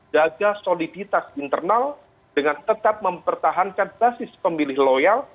jaga soliditas internal dengan tetap mempertahankan basis pemilih loyal